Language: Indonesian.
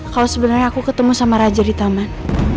kalau sebenarnya aku ketemu sama raja di taman